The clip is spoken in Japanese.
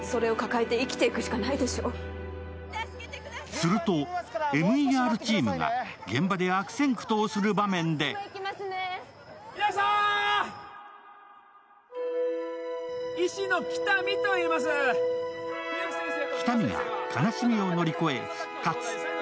するとＭＥＲチームが現場で悪戦苦闘する場面で喜多見が悲しみを乗り越え復活。